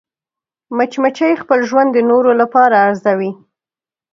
مچمچۍ خپل ژوند د نورو لپاره ارزوي